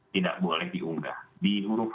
tidak boleh diunggah di huruf